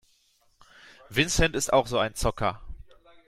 Vincent ist auch so ein Zocker.